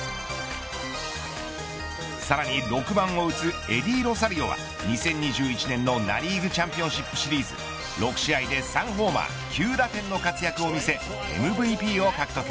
さらに６番を打つエディー・ロサリオは２０２１年のナ・リーグチャンピオンシップシリーズ６試合で３ホーマー、９打点の活躍を見せＭＶＰを獲得。